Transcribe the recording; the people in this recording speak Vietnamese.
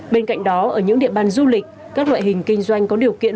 bên cạnh đó ở những địa bàn du lịch các loại hình kinh doanh có điều kiện